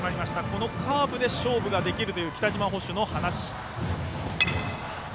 カーブで勝負ができるという北島捕手の話。